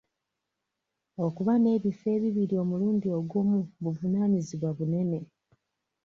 Okuba n'ebifo ebibiri omulundi gumu buvunaanyizibwa bunene.